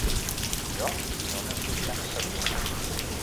Jo no n’estic tan segur.